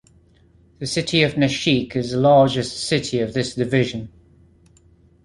The city of Nashik is the largest city of this division.